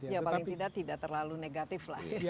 yang paling tidak tidak terlalu negatif